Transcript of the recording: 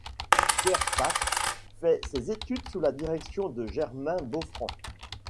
Pierre Patte fait ses études sous la direction de Germain Boffrand.